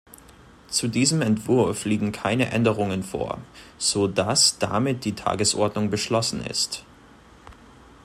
Zu diesem Entwurf liegen keine Änderungen vor, so dass damit die Tagesordnung beschlossen ist.